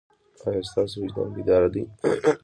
ایا ستاسو وجدان بیدار دی؟